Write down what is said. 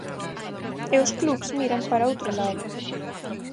E os clubs miran para outro lado.